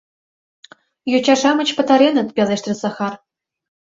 Йоча-шамыч пытареныт, — пелештыш Захар.